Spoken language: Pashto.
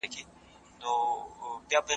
هغه خلک چې سبزۍ زیاتې خوري، لږ شیدې هم کافی دي.